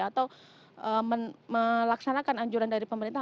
atau melaksanakan anjuran dari pemerintah